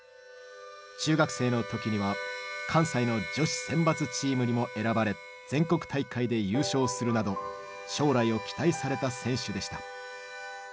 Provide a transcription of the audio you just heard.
中学生のときには関西の女子選抜チームにも選ばれ全国大会で優勝するなど将来を期待された選手でした。